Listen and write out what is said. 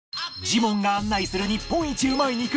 ジモンが案内する日本一うまい肉